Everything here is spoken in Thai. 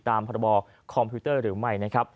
ตามบรรบคอมพิวเตอร์หรือไม่